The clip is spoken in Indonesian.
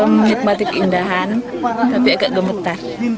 menikmati keindahan tapi agak gemetar